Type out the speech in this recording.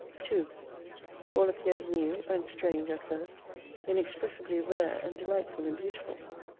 2 All appeared new, and strange at first, inexpressibly rare and delightful and beautiful.